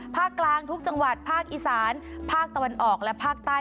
ภาคกลางทุกจังหวัดภาคอีสานภาคตะวันออกและภาคใต้